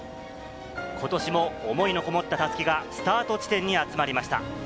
ことしも思いのこもった襷がスタート地点に集まりました。